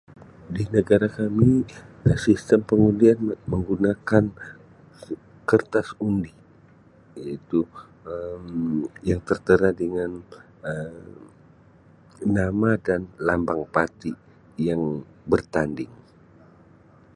Di negara kami Um sistem pengundian menggunakan kertas undi iaitu Um yang tertera dengan Um nama dan lambang parti yang bertanding.